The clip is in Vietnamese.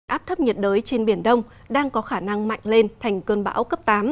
áp thấp nhiệt đới trên biển đông đang có khả năng mạnh lên thành cơn bão cấp tám